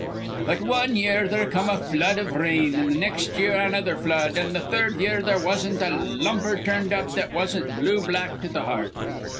"But wan year there come a flood iv rain, an' th nex' year another flood, an' th' third year there wasn't a lumper turned up that wasn't blue black to th' hear rt.